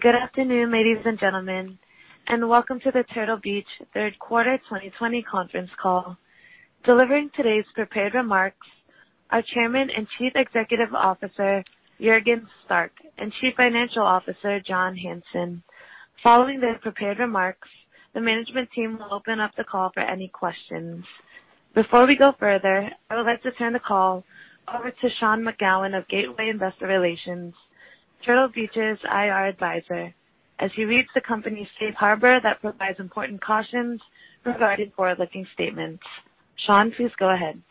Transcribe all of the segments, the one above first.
Good afternoon, ladies and gentlemen, and Welcome to the Turtle Beach Third Quarter 2020 Conference Call. Delivering today's prepared remarks are Chairman and Chief Executive Officer Juergen Stark and Chief Financial Officer John Hanson. Following their prepared remarks, the management team will open up the call for any questions. Before we go further, I would like to turn the call over to Sean McGowan of Gateway Investor Relations, Turtle Beach's IR Advisor, as he reads the company's safe harbor that provides important cautions regarding forward-looking statements. Sean, please go ahead.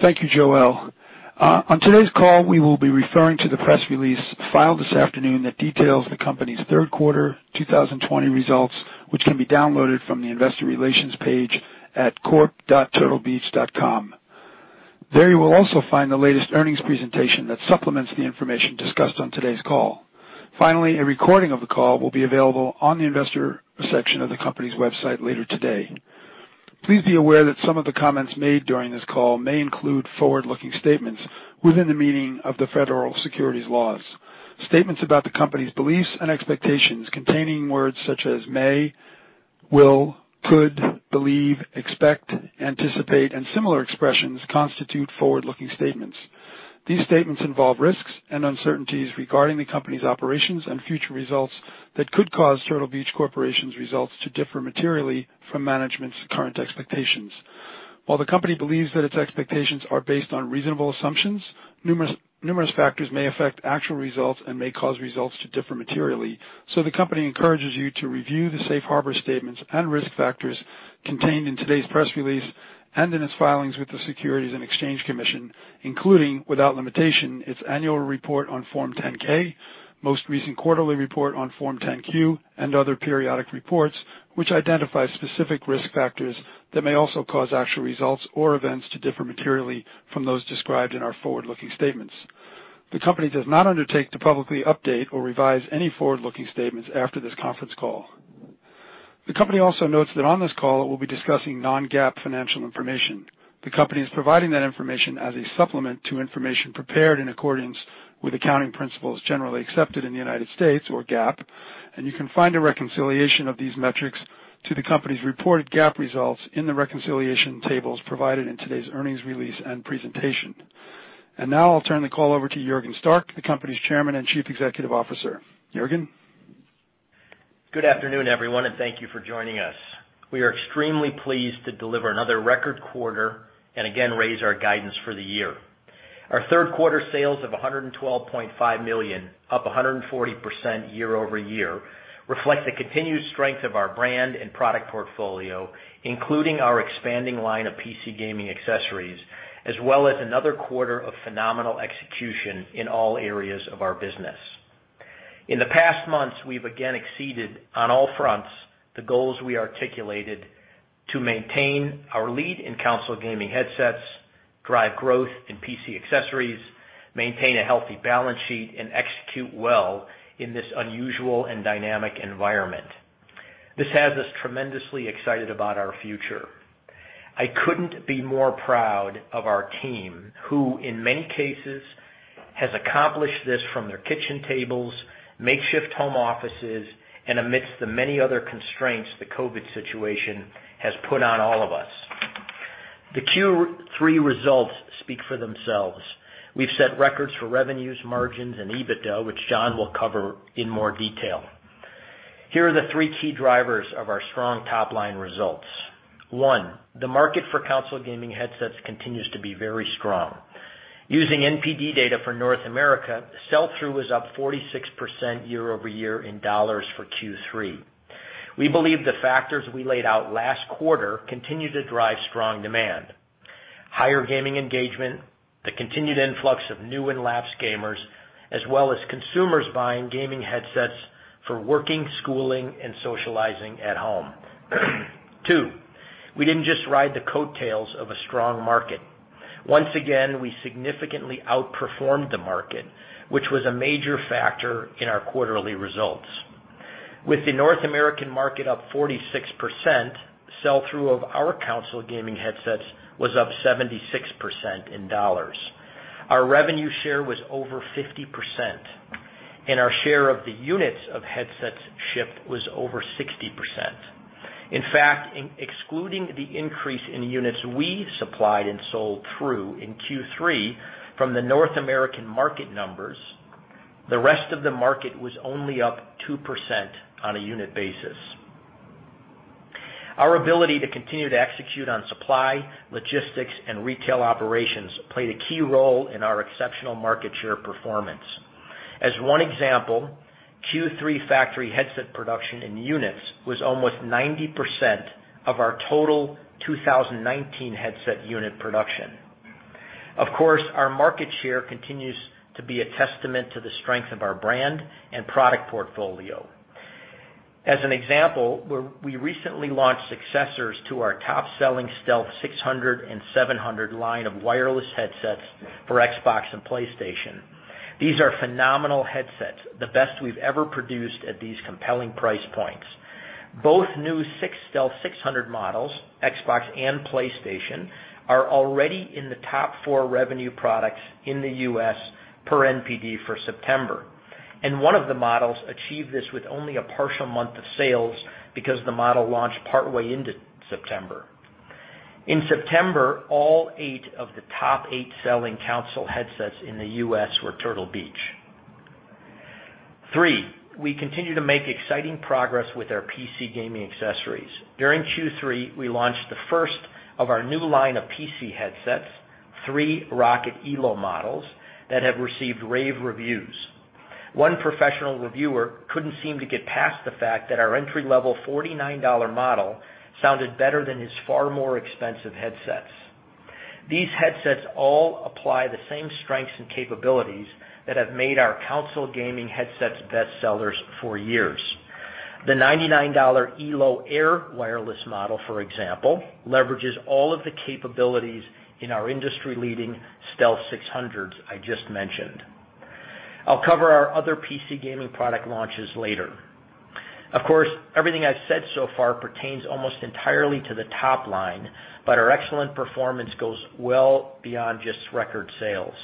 Thank you, Joelle. On today's call, we will be referring to the press release filed this afternoon that details the company's third quarter 2020 results, which can be downloaded from the investor relations page at corp.turtlebeach.com. There you will also find the latest earnings presentation that supplements the information discussed on today's call. Finally, a recording of the call will be available on the investor section of the company's website later today. Please be aware that some of the comments made during this call may include forward-looking statements within the meaning of the federal securities laws. Statements about the company's beliefs and expectations containing words such as may, will, could, believe, expect, anticipate, and similar expressions constitute forward-looking statements. These statements involve risks and uncertainties regarding the company's operations and future results that could cause Turtle Beach Corporation's results to differ materially from management's current expectations. While the company believes that its expectations are based on reasonable assumptions, numerous factors may affect actual results and may cause results to differ materially, so the company encourages you to review the safe harbor statements and risk factors contained in today's press release and in its filings with the Securities and Exchange Commission, including without limitation its annual report on Form 10-K, most recent quarterly report on Form 10-Q, and other periodic reports which identify specific risk factors that may also cause actual results or events to differ materially from those described in our forward-looking statements. The company does not undertake to publicly update or revise any forward-looking statements after this conference call. The company also notes that on this call it will be discussing non-GAAP financial information. The company is providing that information as a supplement to information prepared in accordance with accounting principles generally accepted in the United States, or GAAP, and you can find a reconciliation of these metrics to the company's reported GAAP results in the reconciliation tables provided in today's earnings release and presentation. And now I'll turn the call over to Juergen Stark, the company's Chairman and Chief Executive Officer. Juergen? Good afternoon, everyone, and thank you for joining us. We are extremely pleased to deliver another record quarter and again raise our guidance for the year. Our third quarter sales of $112.5 million, up 140% year over year, reflect the continued strength of our brand and product portfolio, including our expanding line of PC gaming accessories, as well as another quarter of phenomenal execution in all areas of our business. In the past months, we've again exceeded on all fronts the goals we articulated to maintain our lead in console gaming headsets, drive growth in PC accessories, maintain a healthy balance sheet, and execute well in this unusual and dynamic environment. This has us tremendously excited about our future. I couldn't be more proud of our team who, in many cases, has accomplished this from their kitchen tables, makeshift home offices, and amidst the many other constraints the COVID situation has put on all of us. The Q3 results speak for themselves. We've set records for revenues, margins, and EBITDA, which John will cover in more detail. Here are the three key drivers of our strong top-line results. One, the market for console gaming headsets continues to be very strong. Using NPD data for North America, sell-through is up 46% year over year in dollars for Q3. We believe the factors we laid out last quarter continue to drive strong demand: higher gaming engagement, the continued influx of new and lapsed gamers, as well as consumers buying gaming headsets for working, schooling, and socializing at home. Two, we didn't just ride the coattails of a strong market. Once again, we significantly outperformed the market, which was a major factor in our quarterly results. With the North American market up 46%, sell-through of our console gaming headsets was up 76% in dollars. Our revenue share was over 50%, and our share of the units of headsets shipped was over 60%. In fact, excluding the increase in units we supplied and sold through in Q3 from the North American market numbers, the rest of the market was only up 2% on a unit basis. Our ability to continue to execute on supply, logistics, and retail operations played a key role in our exceptional market share performance. As one example, Q3 factory headset production in units was almost 90% of our total 2019 headset unit production. Of course, our market share continues to be a testament to the strength of our brand and product portfolio. As an example, we recently launched successors to our top-selling Stealth 600 and 700 line of wireless headsets for Xbox and PlayStation. These are phenomenal headsets, the best we've ever produced at these compelling price points. Both new Stealth 600 models, Xbox and PlayStation, are already in the top four revenue products in the U.S. per NPD for September, and one of the models achieved this with only a partial month of sales because the model launched partway into September. In September, all eight of the top eight selling console headsets in the U.S. were Turtle Beach. Three, we continue to make exciting progress with our PC gaming accessories. During Q3, we launched the first of our new line of PC headsets, three ROCCAT Elo models, that have received rave reviews. One professional reviewer couldn't seem to get past the fact that our entry-level $49 model sounded better than his far more expensive headsets. These headsets all apply the same strengths and capabilities that have made our console gaming headsets bestsellers for years. The $99 Elo Air wireless model, for example, leverages all of the capabilities in our industry-leading Stealth 600s I just mentioned. I'll cover our other PC gaming product launches later. Of course, everything I've said so far pertains almost entirely to the top line, but our excellent performance goes well beyond just record sales.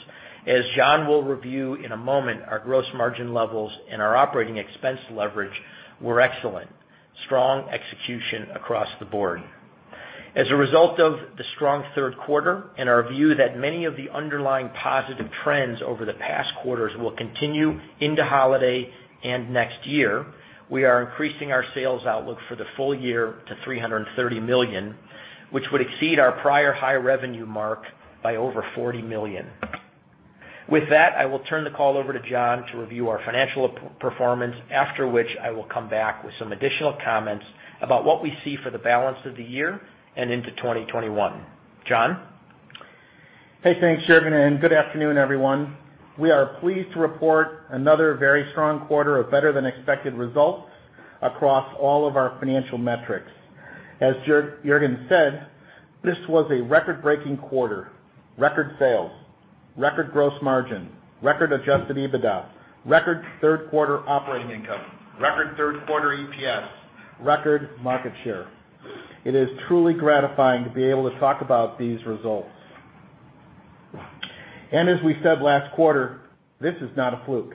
As John will review in a moment, our gross margin levels and our operating expense leverage were excellent. Strong execution across the board. As a result of the strong third quarter and our view that many of the underlying positive trends over the past quarters will continue into holiday and next year, we are increasing our sales outlook for the full year to $330 million, which would exceed our prior high revenue mark by over $40 million. With that, I will turn the call over to John to review our financial performance, after which I will come back with some additional comments about what we see for the balance of the year and into 2021. John? Hey, thanks, Juergen, and good afternoon, everyone. We are pleased to report another very strong quarter of better-than-expected results across all of our financial metrics. As Juergen said, this was a record-breaking quarter: record sales, record gross margin, record adjusted EBITDA, record third-quarter operating income, record third-quarter EPS, record market share. It is truly gratifying to be able to talk about these results. And as we said last quarter, this is not a fluke.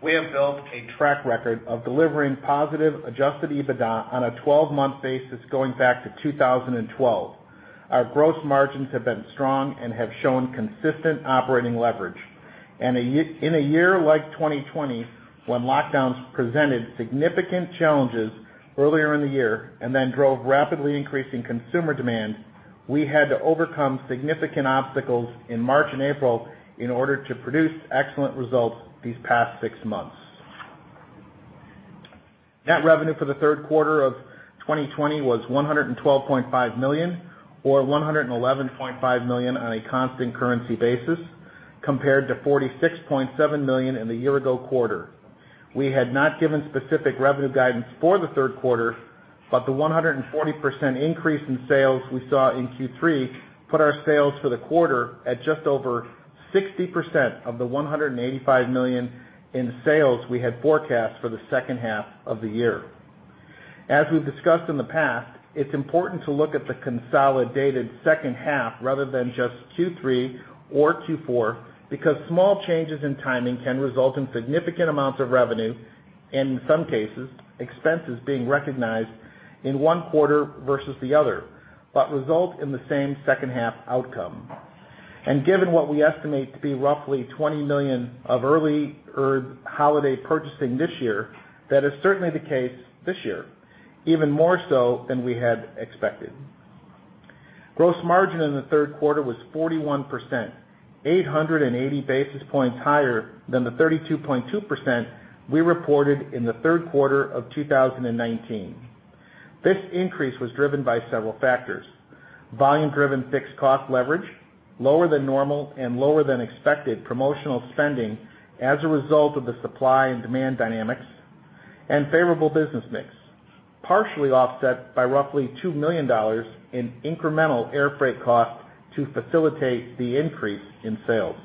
We have built a track record of delivering positive adjusted EBITDA on a 12-month basis going back to 2012. Our gross margins have been strong and have shown consistent operating leverage. And in a year like 2020, when lockdowns presented significant challenges earlier in the year and then drove rapidly increasing consumer demand, we had to overcome significant obstacles in March and April in order to produce excellent results these past six months. Net revenue for the third quarter of 2020 was $112.5 million, or $111.5 million on a constant currency basis, compared to $46.7 million in the year-ago quarter. We had not given specific revenue guidance for the third quarter, but the 140% increase in sales we saw in Q3 put our sales for the quarter at just over 60% of the $185 million in sales we had forecast for the second half of the year. As we've discussed in the past, it's important to look at the consolidated second half rather than just Q3 or Q4 because small changes in timing can result in significant amounts of revenue and, in some cases, expenses being recognized in one quarter versus the other, but result in the same second half outcome. And given what we estimate to be roughly $20 million of early or holiday purchasing this year, that is certainly the case this year, even more so than we had expected. Gross margin in the third quarter was 41%, 880 basis points higher than the 32.2% we reported in the third quarter of 2019. This increase was driven by several factors: volume-driven fixed cost leverage, lower than normal and lower than expected promotional spending as a result of the supply and demand dynamics, and favorable business mix, partially offset by roughly $2 million in incremental air freight cost to facilitate the increase in sales.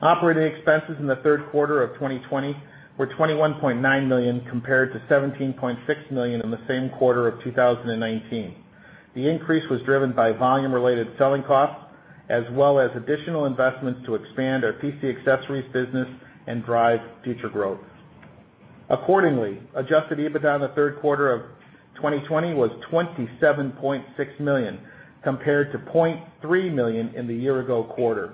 Operating expenses in the third quarter of 2020 were $21.9 million compared to $17.6 million in the same quarter of 2019. The increase was driven by volume-related selling costs as well as additional investments to expand our PC accessories business and drive future growth. Accordingly, adjusted EBITDA in the third quarter of 2020 was $27.6 million compared to $0.3 million in the year-ago quarter.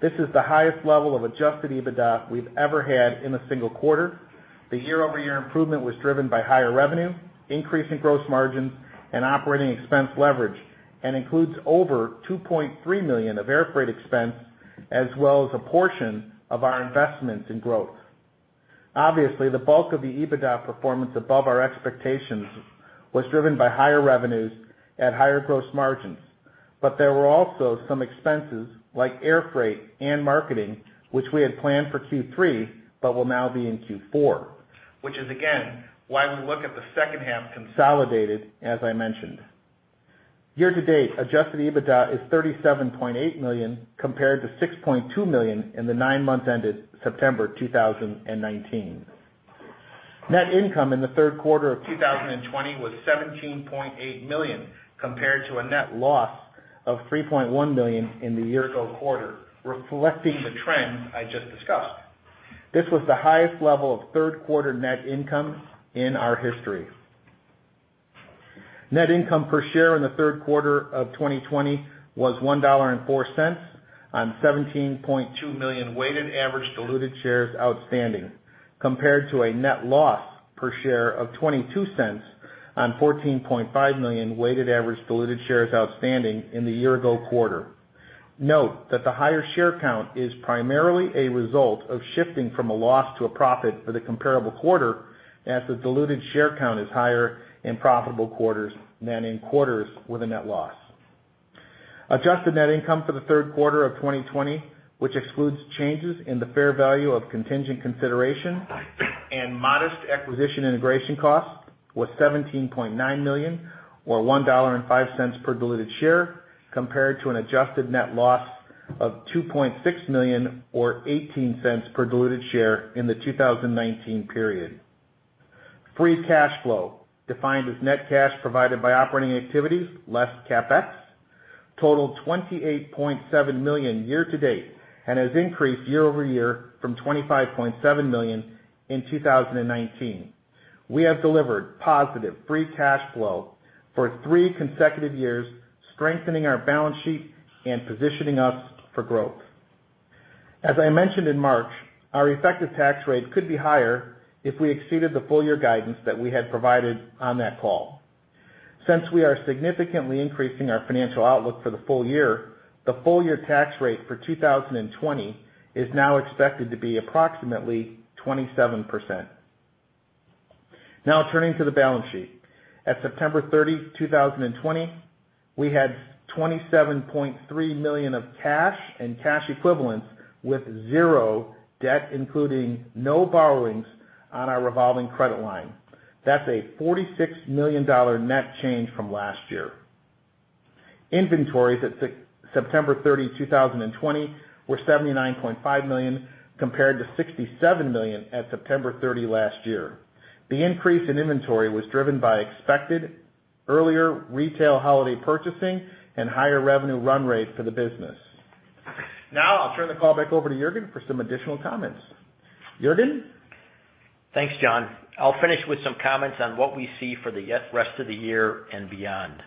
This is the highest level of adjusted EBITDA we've ever had in a single quarter. The year-over-year improvement was driven by higher revenue, increasing gross margins, and operating expense leverage, and includes over $2.3 million of air freight expense as well as a portion of our investments in growth. Obviously, the bulk of the EBITDA performance above our expectations was driven by higher revenues and higher gross margins, but there were also some expenses like air freight and marketing, which we had planned for Q3 but will now be in Q4, which is again why we look at the second half consolidated, as I mentioned. Year-to-date, adjusted EBITDA is $37.8 million compared to $6.2 million in the nine months ended September 2019. Net income in the third quarter of 2020 was $17.8 million compared to a net loss of $3.1 million in the year-ago quarter, reflecting the trends I just discussed. This was the highest level of third-quarter net income in our history. Net income per share in the third quarter of 2020 was $1.04 on 17.2 million weighted average diluted shares outstanding, compared to a net loss per share of $0.22 on 14.5 million weighted average diluted shares outstanding in the year-ago quarter. Note that the higher share count is primarily a result of shifting from a loss to a profit for the comparable quarter, as the diluted share count is higher in profitable quarters than in quarters with a net loss. Adjusted net income for the third quarter of 2020, which excludes changes in the fair value of contingent consideration and modest acquisition integration costs, was $17.9 million, or $1.05 per diluted share, compared to an adjusted net loss of $2.6 million, or $0.18 per diluted share in the 2019 period. Free cash flow, defined as net cash provided by operating activities less CapEx, totaled $28.7 million year-to-date and has increased year-over-year from $25.7 million in 2019. We have delivered positive free cash flow for three consecutive years, strengthening our balance sheet and positioning us for growth. As I mentioned in March, our effective tax rate could be higher if we exceeded the full-year guidance that we had provided on that call. Since we are significantly increasing our financial outlook for the full year, the full-year tax rate for 2020 is now expected to be approximately 27%. Now, turning to the balance sheet, at September 30, 2020, we had $27.3 million of cash and cash equivalents with zero debt, including no borrowings on our revolving credit line. That's a $46 million net change from last year. Inventories at September 30, 2020, were $79.5 million compared to $67 million at September 30 last year. The increase in inventory was driven by expected earlier retail holiday purchasing and higher revenue run rate for the business. Now, I'll turn the call back over to Juergen for some additional comments. Juergen? Thanks, John. I'll finish with some comments on what we see for the rest of the year and beyond.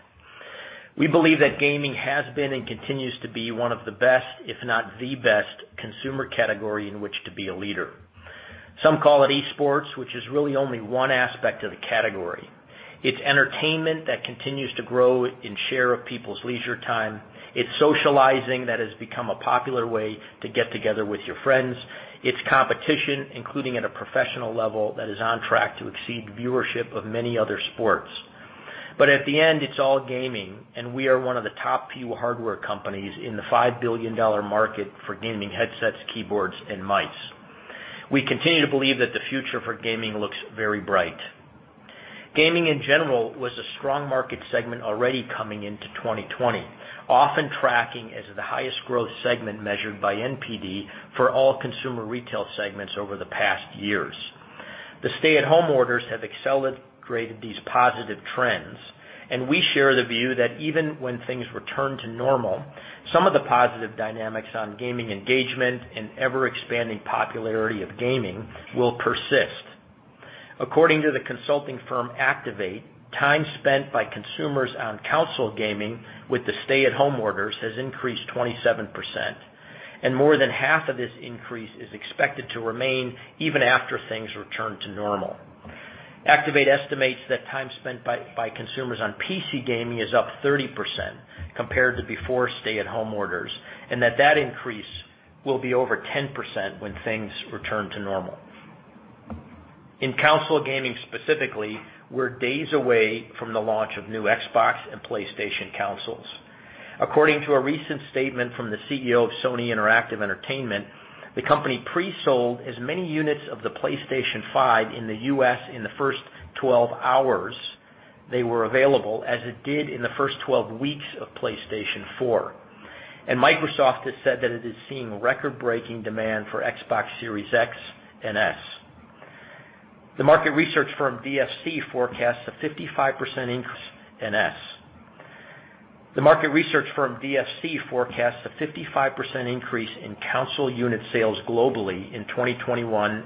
We believe that gaming has been and continues to be one of the best, if not the best, consumer category in which to be a leader. Some call it esports, which is really only one aspect of the category. It's entertainment that continues to grow in share of people's leisure time. It's socializing that has become a popular way to get together with your friends. It's competition, including at a professional level, that is on track to exceed viewership of many other sports. But at the end, it's all gaming, and we are one of the top few hardware companies in the $5 billion market for gaming headsets, keyboards, and mice. We continue to believe that the future for gaming looks very bright. Gaming, in general, was a strong market segment already coming into 2020, often tracking as the highest growth segment measured by NPD for all consumer retail segments over the past years. The stay-at-home orders have accelerated these positive trends, and we share the view that even when things return to normal, some of the positive dynamics on gaming engagement and ever-expanding popularity of gaming will persist. According to the consulting firm Activate, time spent by consumers on console gaming with the stay-at-home orders has increased 27%, and more than half of this increase is expected to remain even after things return to normal. Activate estimates that time spent by consumers on PC gaming is up 30% compared to before stay-at-home orders, and that that increase will be over 10% when things return to normal. In console gaming specifically, we're days away from the launch of new Xbox and PlayStation consoles. According to a recent statement from the CEO of Sony Interactive Entertainment, the company pre-sold as many units of the PlayStation 5 in the U.S. in the first 12 hours they were available as it did in the first 12 weeks of PlayStation 4. Microsoft has said that it is seeing record-breaking demand for Xbox Series X and S. The market research firm DFC forecasts a 55% increase in console unit sales globally in 2021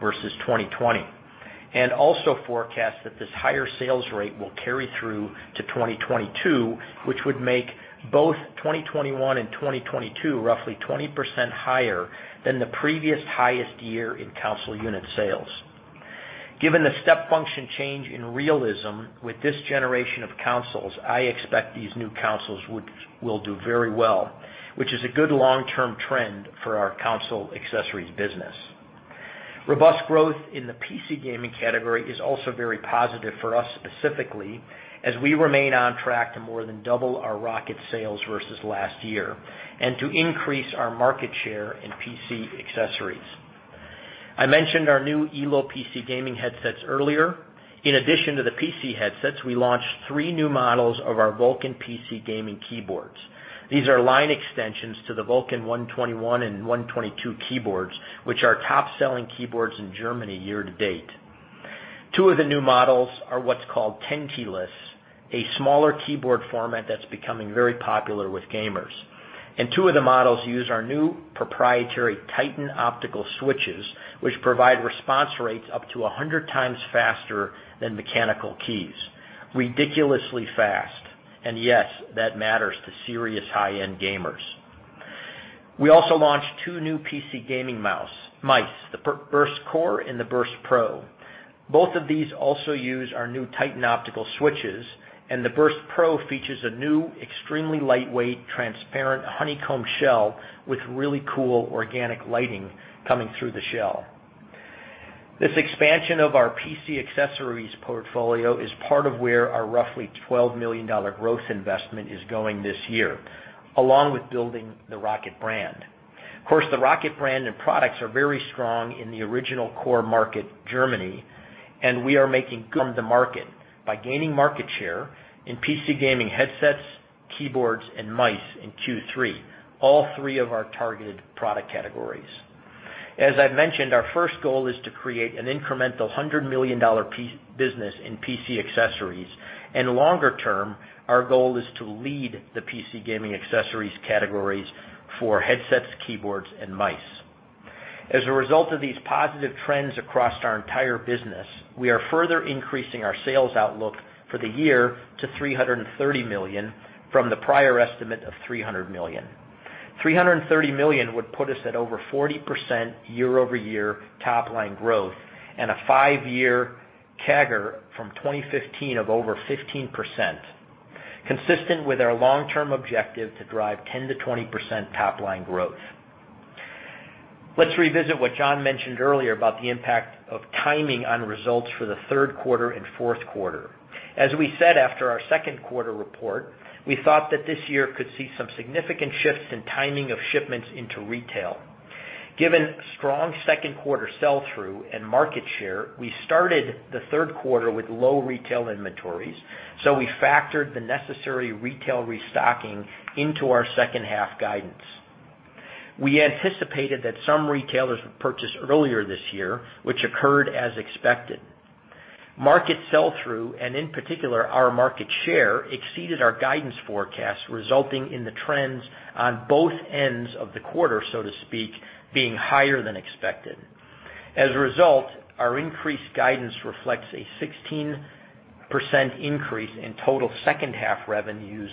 versus 2020, and also forecasts that this higher sales rate will carry through to 2022, which would make both 2021 and 2022 roughly 20% higher than the previous highest year in console unit sales. Given the step function change in realism with this generation of consoles, I expect these new consoles will do very well, which is a good long-term trend for our console accessories business. Robust growth in the PC gaming category is also very positive for us specifically as we remain on track to more than double our ROCCAT sales versus last year and to increase our market share in PC accessories. I mentioned our new Elo PC gaming headsets earlier. In addition to the PC headsets, we launched three new models of our Vulcan PC gaming keyboards. These are line extensions to the Vulcan 121 and 122 keyboards, which are top-selling keyboards in Germany year-to-date. Two of the new models are what's called tenkeyless, a smaller keyboard format that's becoming very popular with gamers. Two of the models use our new proprietary Titan optical switches, which provide response rates up to 100 times faster than mechanical keys. Ridiculously fast. And yes, that matters to serious high-end gamers. We also launched two new PC gaming mice, the Burst Core and the Burst Pro. Both of these also use our new Titan optical switches, and the Burst Pro features a new, extremely lightweight, transparent honeycomb shell with really cool organic lighting coming through the shell. This expansion of our PC accessories portfolio is part of where our roughly $12 million growth investment is going this year, along with building the ROCCAT brand. Of course, the ROCCAT brand and products are very strong in the original core market, Germany, and we are making good on the market by gaining market share in PC gaming headsets, keyboards, and mice in Q3, all three of our targeted product categories. As I've mentioned, our first goal is to create an incremental $100 million business in PC accessories, and longer term, our goal is to lead the PC gaming accessories categories for headsets, keyboards, and mice. As a result of these positive trends across our entire business, we are further increasing our sales outlook for the year to $330 million from the prior estimate of $300 million. $330 million would put us at over 40% year-over-year top-line growth and a five-year CAGR from 2015 of over 15%, consistent with our long-term objective to drive 10%-20% top-line growth. Let's revisit what John mentioned earlier about the impact of timing on results for the third quarter and fourth quarter. As we said after our second quarter report, we thought that this year could see some significant shifts in timing of shipments into retail. Given strong second quarter sell-through and market share, we started the third quarter with low retail inventories, so we factored the necessary retail restocking into our second half guidance. We anticipated that some retailers would purchase earlier this year, which occurred as expected. Market sell-through, and in particular, our market share, exceeded our guidance forecasts, resulting in the trends on both ends of the quarter, so to speak, being higher than expected. As a result, our increased guidance reflects a 16% increase in total second half revenues,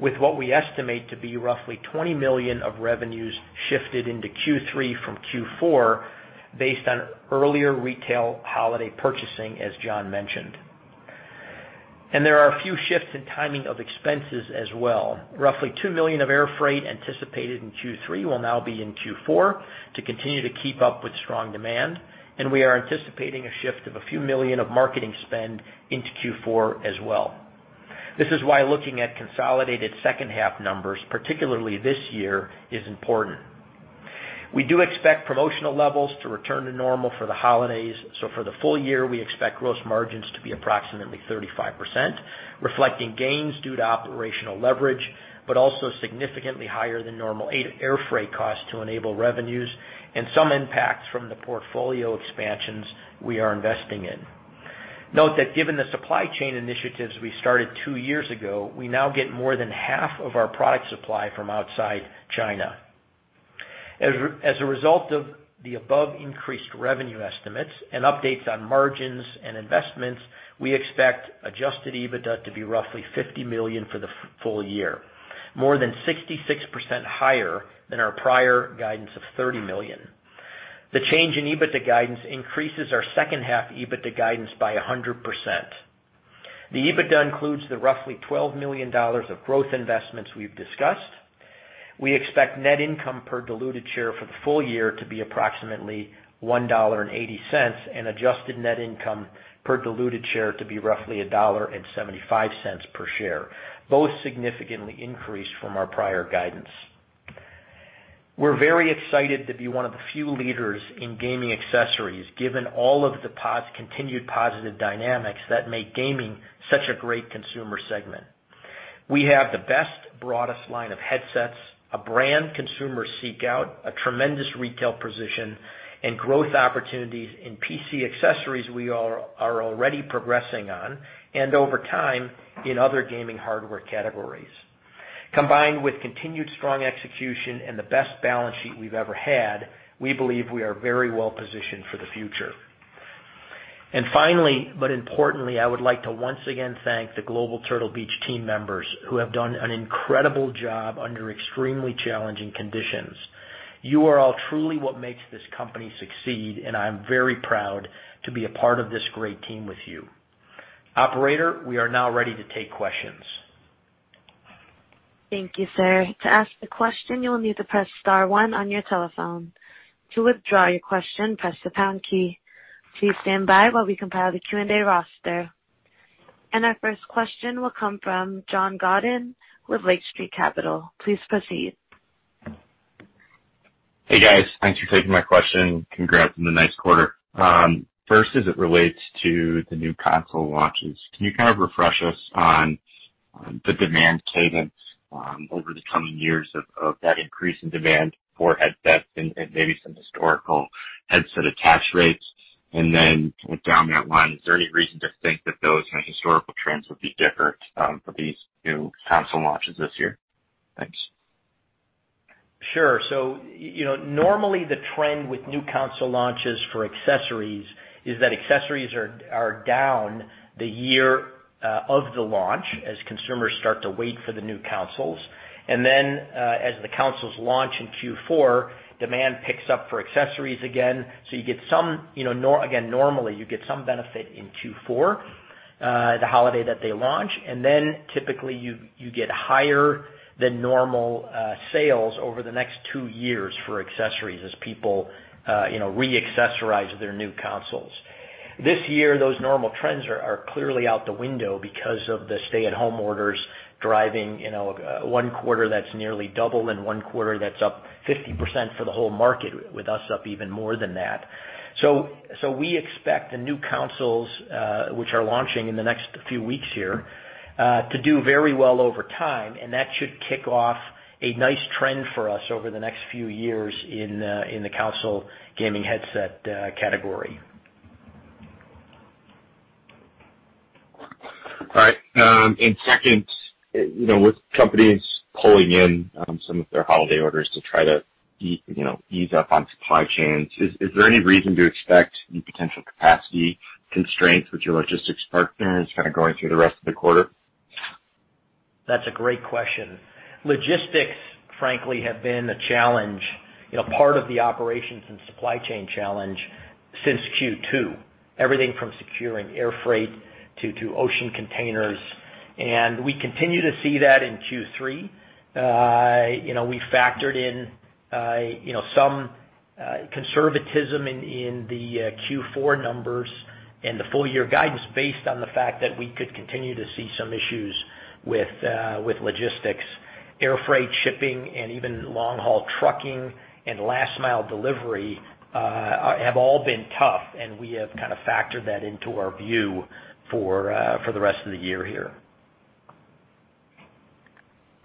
with what we estimate to be roughly $20 million of revenues shifted into Q3 from Q4 based on earlier retail holiday purchasing, as John mentioned, and there are a few shifts in timing of expenses as well. Roughly $2 million of air freight anticipated in Q3 will now be in Q4 to continue to keep up with strong demand, and we are anticipating a shift of a few million of marketing spend into Q4 as well. This is why looking at consolidated second half numbers, particularly this year, is important. We do expect promotional levels to return to normal for the holidays, so for the full year, we expect gross margins to be approximately 35%, reflecting gains due to operational leverage, but also significantly higher than normal air freight costs to enable revenues and some impacts from the portfolio expansions we are investing in. Note that given the supply chain initiatives we started two years ago, we now get more than half of our product supply from outside China. As a result of the above, increased revenue estimates and updates on margins and investments, we expect adjusted EBITDA to be roughly $50 million for the full year, more than 66% higher than our prior guidance of $30 million. The change in EBITDA guidance increases our second half EBITDA guidance by 100%. The EBITDA includes the roughly $12 million of growth investments we've discussed. We expect net income per diluted share for the full year to be approximately $1.80 and adjusted net income per diluted share to be roughly $1.75 per share, both significantly increased from our prior guidance. We're very excited to be one of the few leaders in gaming accessories, given all of the continued positive dynamics that make gaming such a great consumer segment. We have the best, broadest line of headsets, a brand consumers seek out, a tremendous retail position, and growth opportunities in PC accessories we are already progressing on, and over time in other gaming hardware categories. Combined with continued strong execution and the best balance sheet we've ever had, we believe we are very well positioned for the future, and finally, but importantly, I would like to once again thank the global Turtle Beach team members who have done an incredible job under extremely challenging conditions. You are all truly what makes this company succeed, and I'm very proud to be a part of this great team with you. Operator, we are now ready to take questions. Thank you, sir. To ask a question, you will need to press star one on your telephone. To withdraw your question, press the pound key. Please stand by while we compile the Q&A roster, and our first question will come from John Godin with Lake Street Capital. Please proceed. Hey, guys. Thanks for taking my question. Congrats on the next quarter. First, as it relates to the new console launches, can you kind of refresh us on the demand cadence over the coming years of that increase in demand for headsets and maybe some historical headset attach rates? And then kind of down that line, is there any reason to think that those historical trends would be different for these new console launches this year? Thanks. Sure. So normally, the trend with new console launches for accessories is that accessories are down the year of the launch as consumers start to wait for the new consoles. And then as the consoles launch in Q4, demand picks up for accessories again. So you get some again. Normally, you get some benefit in Q4, the holiday that they launch. And then typically, you get higher than normal sales over the next two years for accessories as people re-accessorize their new consoles. This year, those normal trends are clearly out the window because of the stay-at-home orders driving one quarter that's nearly double and one quarter that's up 50% for the whole market, with us up even more than that. So we expect the new consoles, which are launching in the next few weeks here, to do very well over time, and that should kick off a nice trend for us over the next few years in the console gaming headset category. All right. And second, with companies pulling in some of their holiday orders to try to ease up on supply chains, is there any reason to expect new potential capacity constraints with your logistics partners kind of going through the rest of the quarter? That's a great question. Logistics, frankly, have been a challenge, part of the operations and supply chain challenge since Q2, everything from securing air freight to ocean containers, and we continue to see that in Q3. We factored in some conservatism in the Q4 numbers and the full-year guidance based on the fact that we could continue to see some issues with logistics. Air freight shipping and even long-haul trucking and last-mile delivery have all been tough, and we have kind of factored that into our view for the rest of the year here.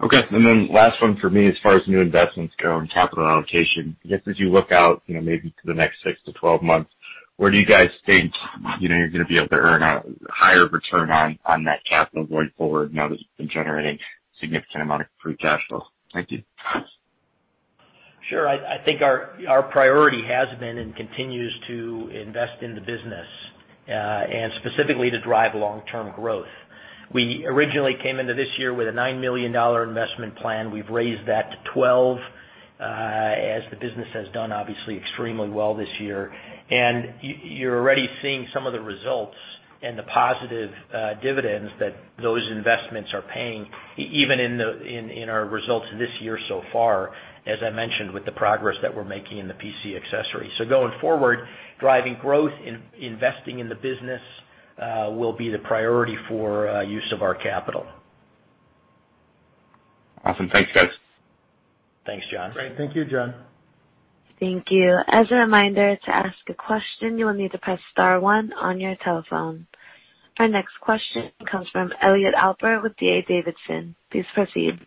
Okay. And then last one for me as far as new investments go and capital allocation. I guess as you look out maybe to the next six to 12 months, where do you guys think you're going to be able to earn a higher return on that capital going forward now that you've been generating a significant amount of free cash flow? Thank you. Sure. I think our priority has been and continues to invest in the business and specifically to drive long-term growth. We originally came into this year with a $9 million investment plan. We've raised that to $12 million as the business has done, obviously, extremely well this year, and you're already seeing some of the results and the positive dividends that those investments are paying, even in our results this year so far, as I mentioned, with the progress that we're making in the PC accessories, so going forward, driving growth and investing in the business will be the priority for use of our capital. Awesome. Thanks, guys. Thanks, John. Great. Thank you, John. Thank you. As a reminder, to ask a question, you will need to press star one on your telephone. Our next question comes from Elliott Alper with D.A. Davidson. Please proceed.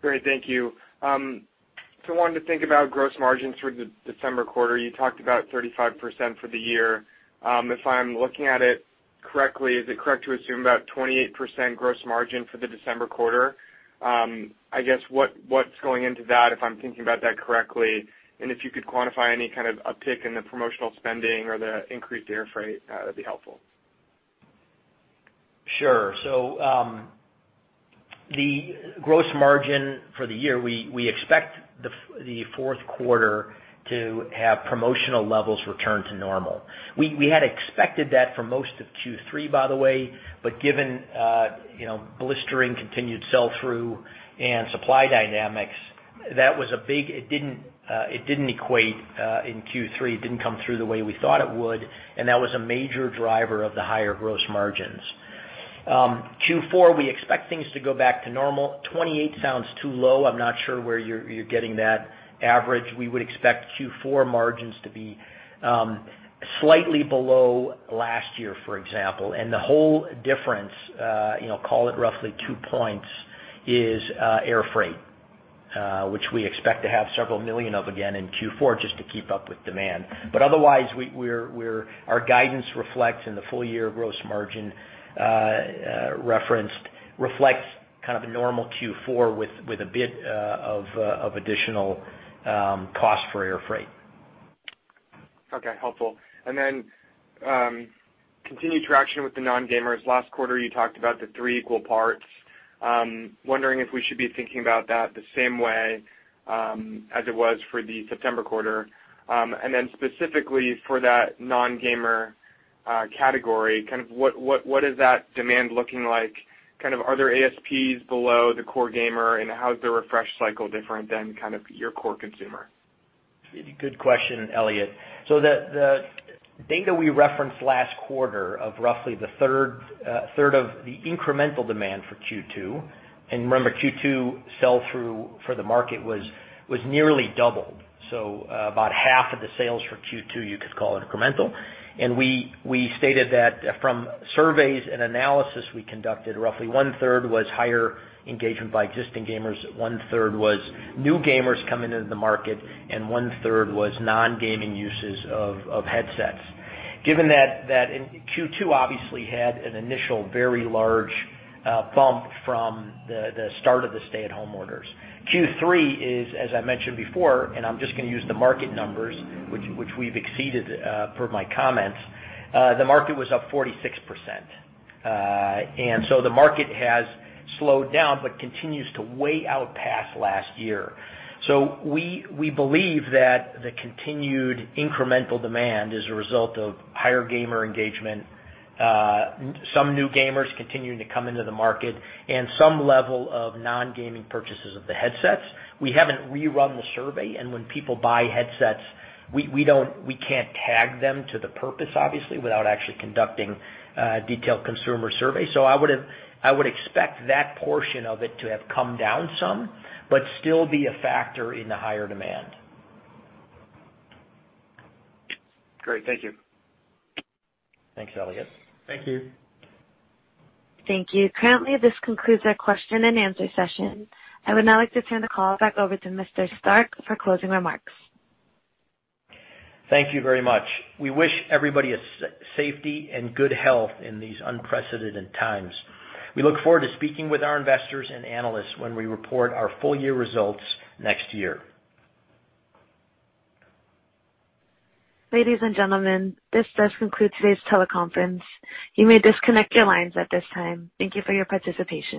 Great. Thank you. So I wanted to think about gross margins for the December quarter. You talked about 35% for the year. If I'm looking at it correctly, is it correct to assume about 28% gross margin for the December quarter? I guess what's going into that if I'm thinking about that correctly? And if you could quantify any kind of uptick in the promotional spending or the increased air freight, that'd be helpful. Sure. So the gross margin for the year, we expect the fourth quarter to have promotional levels return to normal. We had expected that for most of Q3, by the way, but given blistering continued sell-through and supply dynamics, that was a big hit. It didn't equate in Q3. It didn't come through the way we thought it would, and that was a major driver of the higher gross margins. Q4, we expect things to go back to normal. 28 sounds too low. I'm not sure where you're getting that average. We would expect Q4 margins to be slightly below last year, for example. And the whole difference, call it roughly two points, is air freight, which we expect to have several million of again in Q4 just to keep up with demand. But otherwise, our guidance reflects in the full-year gross margin referenced kind of a normal Q4 with a bit of additional cost for air freight. Okay. Helpful. And then, continued traction with the non-gamers. Last quarter, you talked about the three equal parts. Wondering if we should be thinking about that the same way as it was for the September quarter. And then, specifically for that non-gamer category, kind of what is that demand looking like? Kind of, are there ASPs below the core gamer, and how is the refresh cycle different than kind of your core consumer? Good question, Elliott. So the data we referenced last quarter of roughly one-third of the incremental demand for Q2, and remember, Q2 sell-through for the market was nearly doubled. So about half of the sales for Q2 you could call incremental. And we stated that from surveys and analysis we conducted, roughly one-third was higher engagement by existing gamers, one-third was new gamers coming into the market, and one-third was non-gaming uses of headsets. Given that Q2 obviously had an initial very large bump from the start of the stay-at-home orders. Q3 is, as I mentioned before, and I'm just going to use the market numbers, which we've exceeded per my comments, the market was up 46%. And so the market has slowed down but continues to way outpace last year. We believe that the continued incremental demand is a result of higher gamer engagement, some new gamers continuing to come into the market, and some level of non-gaming purchases of the headsets. We haven't rerun the survey, and when people buy headsets, we can't tag them to the purpose, obviously, without actually conducting detailed consumer surveys. I would expect that portion of it to have come down some, but still be a factor in the higher demand. Great. Thank you. Thanks, Elliot. Thank you. Thank you. Currently, this concludes our question and answer session. I would now like to turn the call back over to Mr. Stark for closing remarks. Thank you very much. We wish everybody safety and good health in these unprecedented times. We look forward to speaking with our investors and analysts when we report our full-year results next year. Ladies and gentlemen, this does conclude today's teleconference. You may disconnect your lines at this time. Thank you for your participation.